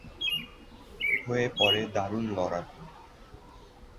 হয়ে পড়ে দারুণ লড়াকু।